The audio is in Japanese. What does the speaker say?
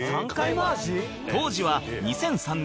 当時は２００３年